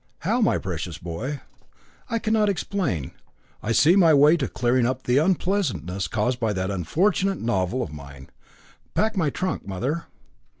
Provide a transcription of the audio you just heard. "How, my precious boy?" "I cannot explain. I see my way to clearing up the unpleasantness caused by that unfortunate novel of mine. Pack my trunk, mother."